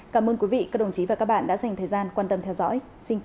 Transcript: cảm ơn quý vị và các bạn đã dành thời gian quan tâm theo dõi